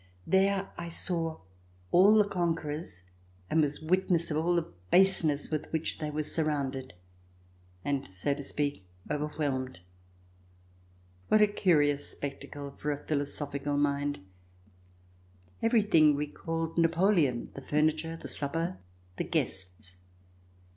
There I saw all the conquerors and was witness of all the baseness with which they were surrounded and so to speak overwhelmed. What a curious spectacle for a [391 ] RECOLLECTIONS OF THE REVOLUTION philosophical mind! Everything recalled Napoleon: the furniture, the supper, the guests.